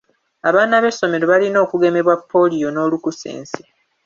Abaana b'essomero balina okugemebwa Ppoliyo n'olukusense.